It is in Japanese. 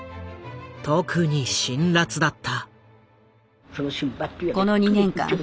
特に辛辣だった。